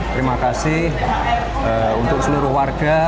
terima kasih untuk seluruh warga